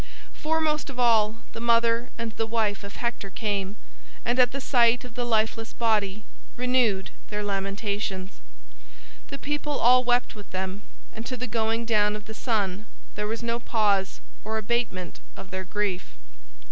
Foremost of all, the mother and the wife of Hector came, and at the sight of the lifeless body renewed their lamentations. The people all wept with them, and to the going down of the sun there was no pause or abatement of their grief.